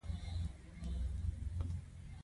هاخوا لاړ شه.